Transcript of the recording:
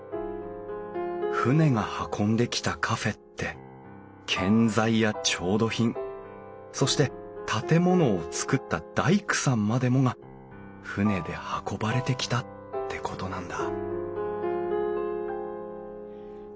船が運んできたカフェって建材や調度品そして建物を造った大工さんまでもが船で運ばれてきたってことなんだ